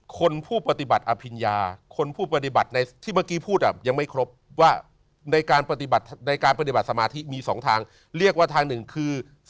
คนผู้ปฏิบัติอภิญญาคนผู้ปฏิบัติในที่เมื่อกี้พูดยังไม่ครบว่าในการปฏิบัติในการปฏิบัติสมาธิมี๒ทางเรียกว่าทางหนึ่งคือ